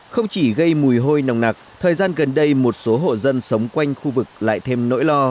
không chỉ gây mùi hôi nồng nặc thời gian gần đây một số hộ dân sống quanh khu vực lại thêm nỗi lo